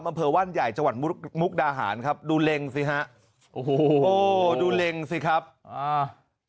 อำเภอว่านใหญ่จังหวัดมุกมุกดาหารครับดูเล็งสิฮะโอ้โหดูเล็งสิครับอ่า